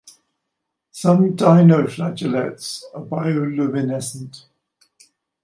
Some dinoflagellates are bioluminescent.